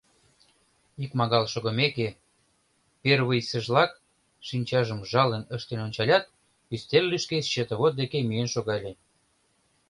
Икмагал шогымеке, первыйсыжлак, шинчажым жалын ыштен ончалят, ӱстел лишке счетовод деке миен шогале.